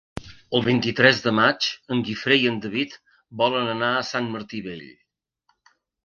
El vint-i-tres de maig en Guifré i en David volen anar a Sant Martí Vell.